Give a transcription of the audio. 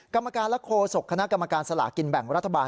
กรรมการและโฆษกคณะกรรมการสลากินแบ่งรัฐบาล